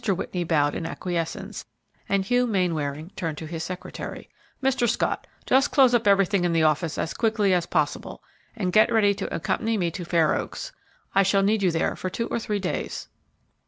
Whitney bowed in acquiescence, and Hugh Mainwaring turned to his secretary, "Mr. Scott, just close up everything in the office as quickly as possible and get ready to accompany me to Fair Oaks; I shall need you there for two or three days."